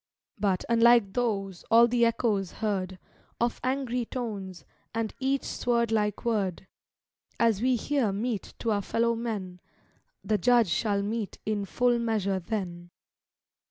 But, unlike those, all the echoes heard, Of angry tones, and each sword like word; As we here mete to our fellow men, The Judge shall mete in full measure then.